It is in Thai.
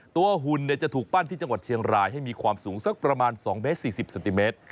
หุ่นจะถูกปั้นที่จังหวัดเชียงรายให้มีความสูงสักประมาณ๒เมตร๔๐เซนติเมตร